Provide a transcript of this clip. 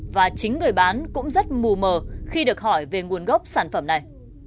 và chính người bán cũng rất mù mờ khi được hỏi về nguồn gốc sản phẩm này